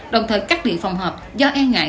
đồng thời cắt điện phòng họp do e ngại